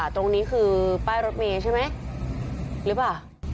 ตรงนี้คือป้ายรถเมย์ใช่ไหมหรือเปล่า